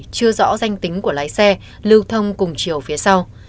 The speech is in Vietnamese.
chưa rõ danh tính của lái xe lưu thông cùng chiều phía sau